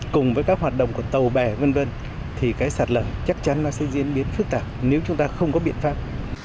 cùng với các hoạt động của tàu bè v v thì cái sạt lở chắc chắn nó sẽ diễn biến phức tạp nếu chúng ta không có biện pháp